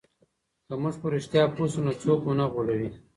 که موږ په رښتیا پوه سو نو څوک مو نه غولوي.